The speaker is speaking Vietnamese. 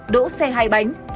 đỗ xe hai bánh